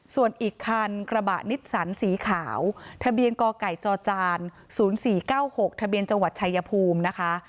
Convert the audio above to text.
ส่วนอีกคันกระบะนิสสันสีขาวทะเบียนกไก่จจ๐๔๙๖ทะเบียนจังหวัดชายภูมินะคะ